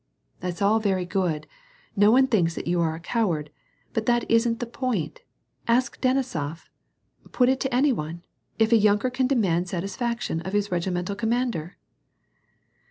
"That's all very good; no one thinks that you are a coward, but that isn't the point. Ask Denisof — put it to any one — if a yunker can demand satisfaction of his regimental com mander